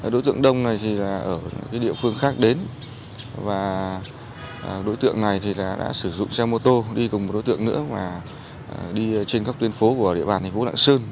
đối tượng đông ở địa phương khác đến đối tượng này đã sử dụng xe mô tô đi cùng một đối tượng nữa đi trên các tuyến phố của địa bàn thành phố lạng sơn